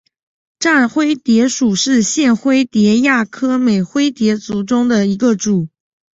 绽灰蝶属是线灰蝶亚科美灰蝶族中的一个属。